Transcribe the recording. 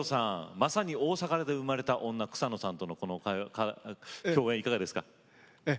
まさに大阪で生まれた女草野さんとのこの共演いかがですか？